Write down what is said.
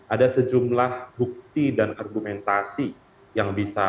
ada sejumlah bukti dan argumentasi yang bisa